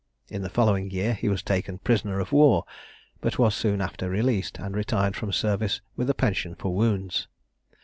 In the following year he was taken prisoner of war, but was soon after released, and retired from service with a pension for wounds.